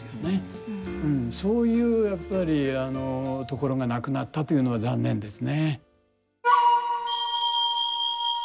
そういうやっぱりところがなくなったというのは残念ですね。